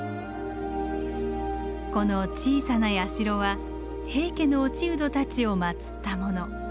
この小さな社は平家の落人たちをまつったもの。